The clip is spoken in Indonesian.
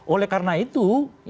oleh karena itu